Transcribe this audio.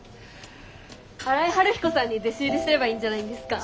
荒井晴彦さんに弟子入りすればいいんじゃないんですか？